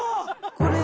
これ。